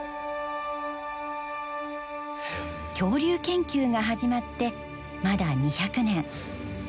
恐竜研究が始まってまだ２００年。